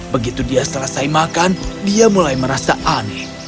begitu dia selesai makan dia mulai merasa aneh